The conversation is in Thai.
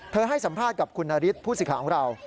ให้สัมภาษณ์กับคุณนฤทธิ์ผู้สิทธิ์ของเรา